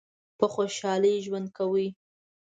په خوشحالی ژوند کوی؟